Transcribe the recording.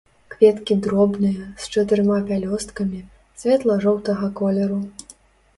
Кветкі дробныя, з чатырма пялёсткамі, светла-жоўтага колеру.